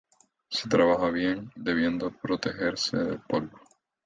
Se trabaja bien, debiendo protegerse del polvo.